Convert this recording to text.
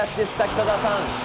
北澤さん。